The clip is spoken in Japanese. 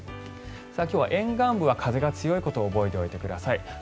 今日は沿岸部は風が強いことを覚えておいてください。